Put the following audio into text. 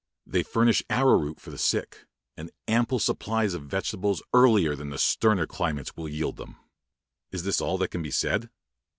They furnish arrow root for the sick, and ample supplies of vegetables earlier than sterner climates will yield them. Is this all that can be said?